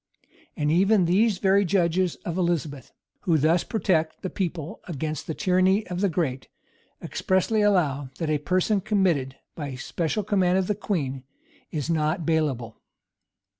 [*] And even these very judges of Elizabeth, who thus protect the people against the tyranny of the great, expressly allow, that a person committed by special command of the queen is not bailable.